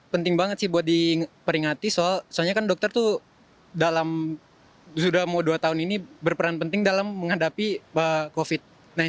penting banget sih buat diperingati soalnya kan dokter tuh dalam sudah mau dua tahun ini berperan penting dalam menghadapi covid sembilan belas